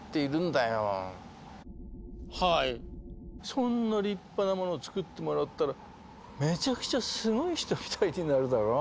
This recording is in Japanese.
そんな立派なものつくってもらったらめちゃくちゃすごい人みたいになるだろう。